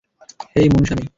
হেই, Munusamy!